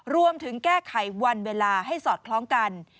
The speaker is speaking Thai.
รวมถึงแก้ไขวันเวลาให้สอดคล้องกัน